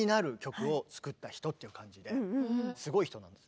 すごい人なんです。